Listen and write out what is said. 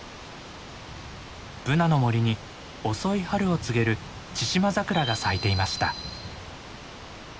ブナの森に遅い春を告げるチシマザクラが咲いていました。